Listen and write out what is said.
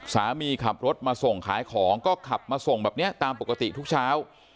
สามีขับรถมาส่งขายของก็ขับมาส่งแบบนี้ตามปกติทุกเช้า